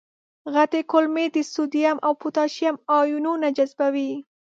غټې کولمې د سودیم او پتاشیم آیونونه جذبوي.